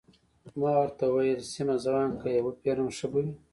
ما ورته وویل: سیمه، زه وایم که يې وپېرم، ښه به وي.